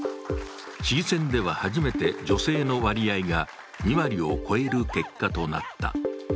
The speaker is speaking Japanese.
市議選では初めて女性の割合が２割を超える結果となった。